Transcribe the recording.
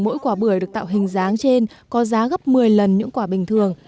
mỗi quả bưởi được tạo hình dáng trên có giá gấp một mươi lần những quả bình thường